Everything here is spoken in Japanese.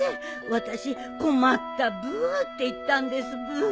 私困ったブーって言ったんですブー